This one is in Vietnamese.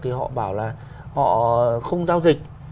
thì họ bảo là họ không giao dịch